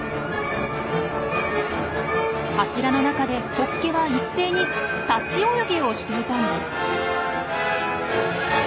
柱の中でホッケは一斉に立ち泳ぎをしていたんです。